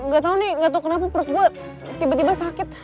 gak tau nih gak tau kenapa perut gue tiba tiba sakit